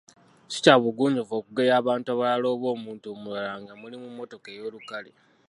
Si kya bugunjufu okugeya abantu abalala oba omuntu omulala nga muli mu mmotoka ey’olukale.